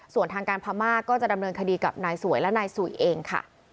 ส่วนทางการพม่าก็จะดำเนินคดีกับนายสวยและนายสุยเองค่ะ